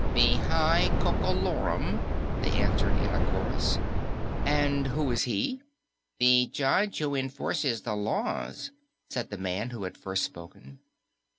"The High Coco Lorum," they answered in a chorus. "And who is he?" "The judge who enforces the laws," said the man who had first spoken.